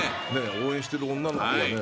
応援してる女の子がね